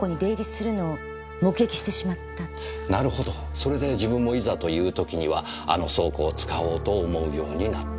それで自分もいざという時にはあの倉庫を使おうと思うようになった。